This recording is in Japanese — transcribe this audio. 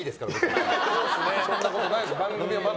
そんなことないです。